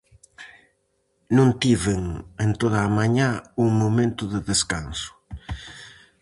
Non tiven en toda a mañá un momento de descanso.